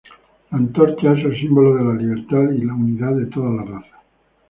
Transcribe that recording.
La antorcha es el símbolo de la libertad y unidad de todas las razas.